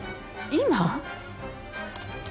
今？